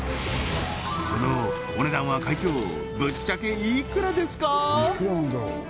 そのお値段は会長ぶっちゃけいくらですか？